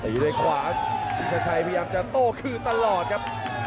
ด้วยขวาอินทชัยพยายามจะโต้คืนตลอดครับ